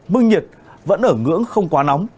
mức nhiệt vẫn ở ngưỡng không quá nóng